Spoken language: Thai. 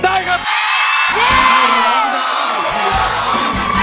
ได้